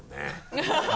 ハハハ